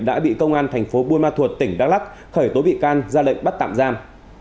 đã bị công an tp bunma thuật tỉnh đắk lắc khởi tố bị can ra lệnh bắt tạm giam